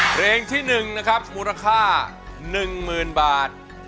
เพลงที่หนึ่งนะครับมูลค่าหนึ่งหมื่นบาท